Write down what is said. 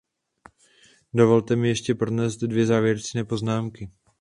Dovolte mi ještě pronést dvě závěrečné poznámky.